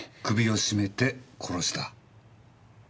首を絞めて殺した？